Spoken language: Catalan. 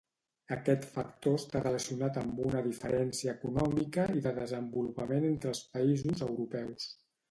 Aquest factor està relacionat amb una diferència econòmica i de desenvolupament entre els Països Europeus.